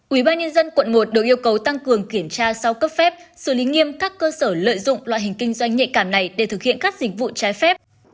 ubnd quận một đều yêu cầu tăng cường kiểm tra sau cấp phép xử lý nghiêm các cơ sở lợi dụng loại hình kinh doanh nhạy cảm này để thực hiện các dịch vụ trái phép